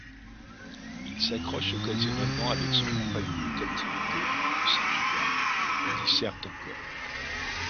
Il s'accroche occasionnellement avec son compagnon de captivité, le singe noir, disserte encore.